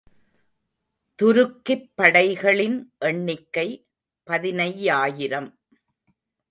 துருக்கிப் படைகளின் எண்ணிக்கை பதினையாயிரம்.